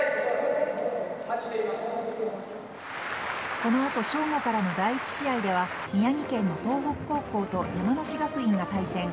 この後正午からの第１試合では宮城県東北高校と山梨学院が対戦。